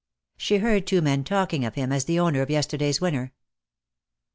She heard two men talking of him as the owner of yesterday's winner.